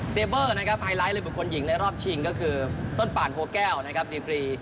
เบอร์นะครับไฮไลท์เลยบุคคลหญิงในรอบชิงก็คือต้นป่านโพแก้วนะครับดีกรี